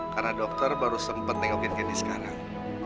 karena dokter baru sempet tengokin candy sekarang